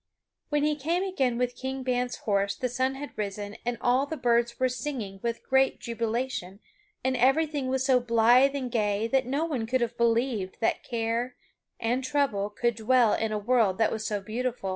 When he came again with King Ban's horse the sun had risen and all the birds were singing with great jubilation and everything was so blithe and gay that no one could have believed that care and trouble could dwell in a world that was so beautiful.